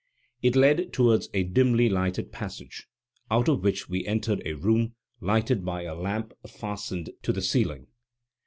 It led towards a dimly lighted passage, out of which we entered a room lighted by a lamp fastened to the ceiling.